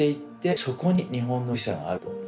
そこに日本の美しさがあると。